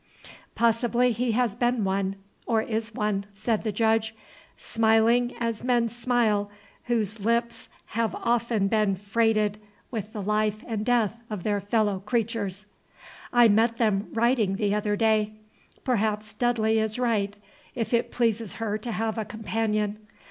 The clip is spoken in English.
"Possibly he has been one, or is one," said the Judge, smiling as men smile whose lips have often been freighted with the life and death of their fellow creatures. "I met them riding the other day. Perhaps Dudley is right, if it pleases her to have a companion.